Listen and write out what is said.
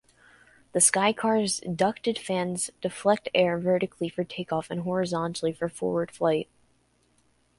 The Skycar's ducted fans deflect air vertically for takeoff and horizontally for forward flight.